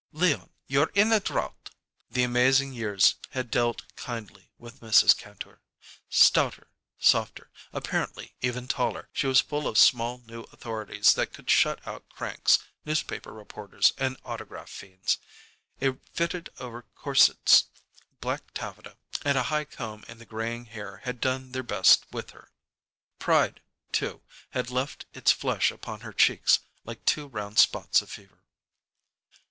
"Leon, you're in a draught." The amazing years had dealt kindly with Mrs. Kantor. Stouter, softer, apparently even taller, she was full of small new authorities that could shut out cranks, newspaper reporters, and autograph fiends. A fitted over corsets black taffeta and a high comb in the graying hair had done their best with her. Pride, too, had left its flush upon her cheeks, like two round spots of fever.